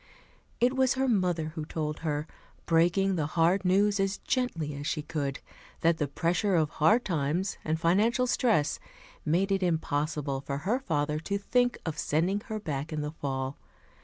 It was her mother who told her, breaking the hard news as gently as she could, that the pressure of hard times and financial stress made it impossible for her father to think of sending her back in the fall.